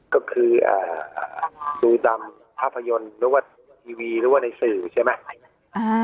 ก็คือดูตามภาพยนตร์หรือว่าทีวีหรือว่าในสื่อใช่ไหม